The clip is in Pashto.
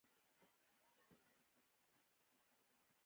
د افغانستان د اقتصادي پرمختګ لپاره پکار ده چې لایسنس واخلو.